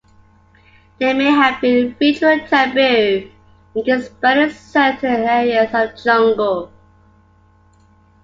There may have been a ritual taboo against burning certain areas of jungle.